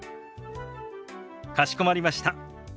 かしこまりました。